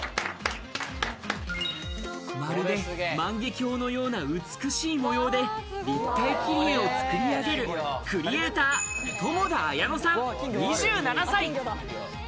まるで万華鏡のような美しい模様で、立体切り絵を作り上げるクリエイター・ともだあやのさん、２７歳。